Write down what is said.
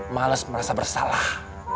males merasa bersalah